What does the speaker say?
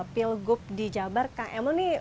pilgub di jabar kmu ini